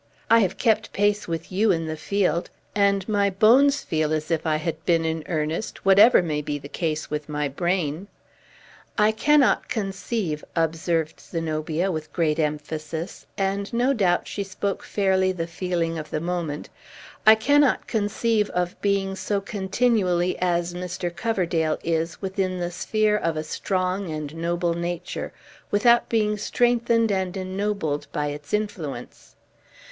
"I have kept pace with you in the field; and my bones feel as if I had been in earnest, whatever may be the case with my brain!" "I cannot conceive," observed Zenobia with great emphasis, and, no doubt, she spoke fairly the feeling of the moment, "I cannot conceive of being so continually as Mr. Coverdale is within the sphere of a strong and noble nature, without being strengthened and ennobled by its influence!"